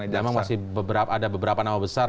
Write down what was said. memang masih ada beberapa nama besar